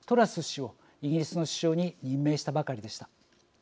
氏をイギリスの首相に任命したばかりでした。